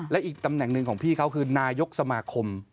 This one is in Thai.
และอีกตำแหน่งหนึ่งของพี่เขาคือนายกสมาคม